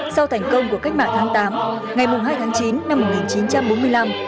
sau thành công của cách mạng tháng tám ngày hai tháng chín năm một nghìn chín trăm bốn mươi năm